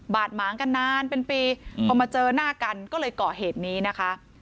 ดหมางกันนานเป็นปีพอมาเจอหน้ากันก็เลยก่อเหตุนี้นะคะ